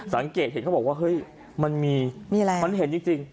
สังเกตเห็นก็บอกว่าเฮ้ยมันเห็นจริง